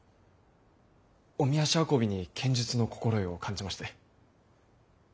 おみ足運びに剣術の心得を感じまして。